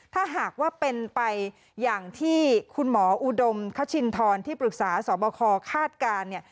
ถ้าหากว่าเป็นไปอย่างที่คุณหมออุดมคชินทรที่ปรึกษาสอบคอคาดการณ์เนี่ย